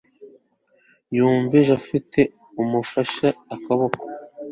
yumva japhet amufashe akaboko